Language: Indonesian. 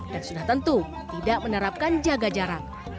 dan sudah tentu tidak menerapkan jaga jarak